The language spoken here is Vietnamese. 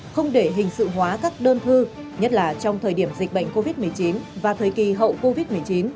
không để hình sự hóa các đơn thư nhất là trong thời điểm dịch bệnh covid một mươi chín và thời kỳ hậu covid một mươi chín